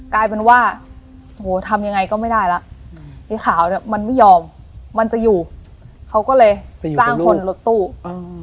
กลายเป็นว่าโอ้โหทำยังไงก็ไม่ได้ล่ะไอ้ขาวเนี้ยมันไม่ยอมมันจะอยู่เขาก็เลยเป็นอยู่คนลูกจ้างคนรถตู้อ่า